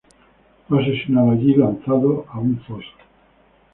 Fue asesinado allí y lanzado en un foso.